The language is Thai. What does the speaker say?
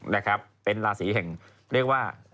บ้าแม่งมาก